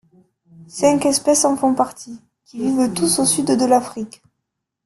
Cinq espèces en font partie, qui vivent tous au sud de l'Afrique.